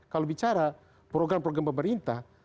kalau bicara program program pemerintah